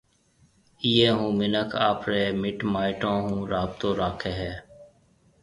ايئيَ ھون منک آپرَي مِٽ مائيٽون ھون رابطو راکيَ ھيََََ